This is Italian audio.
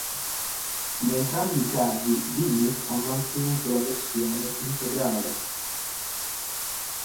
In entrambi i casi Dynit ha mantenuto la versione integrale.